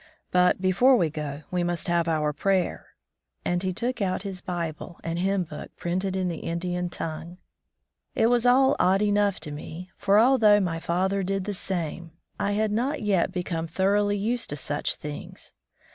"But before we go, we must have our prayer," and he took out his Bible and hymn book printed in the Indian tongue. It was all odd enough to me, for although my father did the same, I had not yet become 32 On the White Man's Trail thoroughly used to such things.